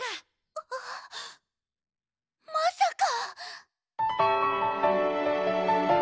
あまさか！